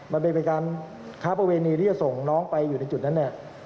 มันเป็นการค้าประเวณีที่จะส่งน้องไปอยู่ในจุดนั้นเนี่ย